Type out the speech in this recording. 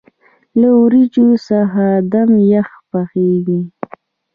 له وریجو څخه دم پخ پخیږي.